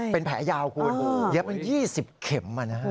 เป็นแผลยาวคุณเย็บมัน๒๐เข็มอ่ะนะฮะ